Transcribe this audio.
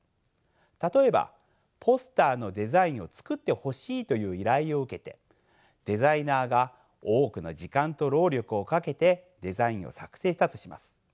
例えばポスターのデザインを作ってほしいという依頼を受けてデザイナーが多くの時間と労力をかけてデザインを作成したとします。